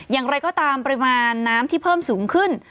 อย่างไรก็ตามปริมาณน้ำที่เพิ่มสูงขึ้น